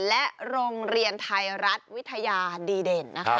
และโรงเรียนไทยรัฐวิทยาดีเด่นนะคะ